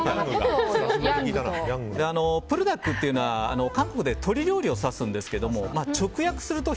ブルダックというのは韓国で鶏料理を指すんですけど直訳すると